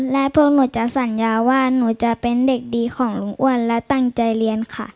และพวกหนูจะสัญญาว่าหนูจะเป็นเด็กดีของลุงอ้วนและตั้งใจเรียนค่ะ